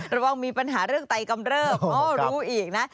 ระวังมีปัญหาเรื่องไตกำเริบรู้อีกนะ